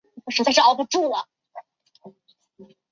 反折果薹草为莎草科薹草属的植物。